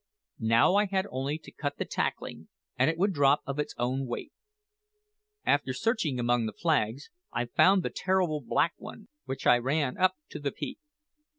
Now I had only to cut the tackling, and it would drop of its own weight. After searching among the flags, I found the terrible black one, which I ran up to the peak.